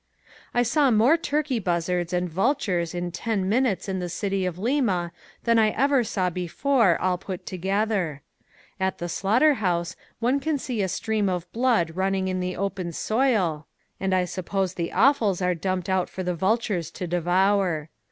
I saw more turkey buzzards and vultures in ten minutes in the city of Lima than I ever saw before all put together. At the slaughter house one can see a stream of blood running in the open soil and I suppose the offals are dumped out for the vultures to devour.